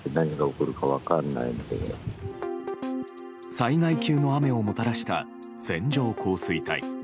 災害級の雨をもたらした線状降水帯。